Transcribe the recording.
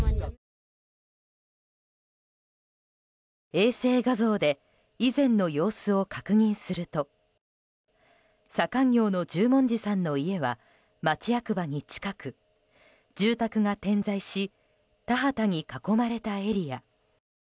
衛星画像で以前の様子を確認すると左官業の十文字さんの家は町役場に近く住宅が点在し田畑に囲まれたエリア。